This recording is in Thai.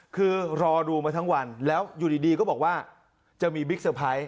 คือรอดูมาทั้งวันแล้วอยู่ดีก็บอกว่าจะมีบิ๊กเซอร์ไพรส์